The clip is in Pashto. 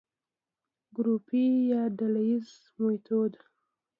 ګروپي يا ډلييز ميتود: